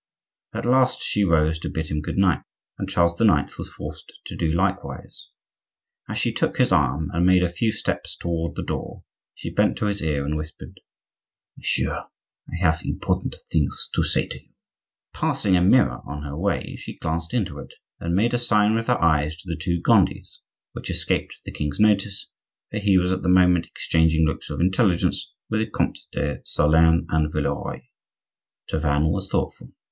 At last she rose to bid him good night, and Charles IX. was forced to do likewise. As she took his arm and made a few steps toward the door, she bent to his ear and whispered:— "Monsieur, I have important things to say to you." Passing a mirror on her way, she glanced into it and made a sign with her eyes to the two Gondis, which escaped the king's notice, for he was at the moment exchanging looks of intelligence with the Comte de Solern and Villeroy. Tavannes was thoughtful.